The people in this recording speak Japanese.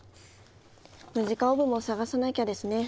ムジカオーブもさがさなきゃですね。